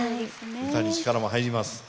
歌に力も入ります。